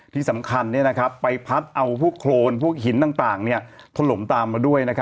ที่สำคัญไปพัดเอาพวกโครนพวกหินต่างถล่มตามมาด้วย